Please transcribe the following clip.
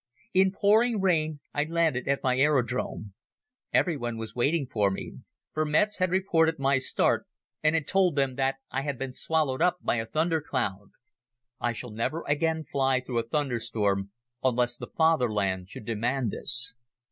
In pouring rain I landed at my aerodrome. Everyone was waiting for me, for Metz had reported my start and had told them that I had been swallowed up by a thunder cloud. I shall never again fly through a thunderstorm unless the Fatherland should demand this.